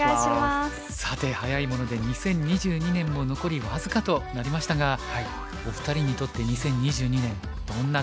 さて早いもので２０２２年も残り僅かとなりましたがお二人にとって２０２２年どんな年でしたか？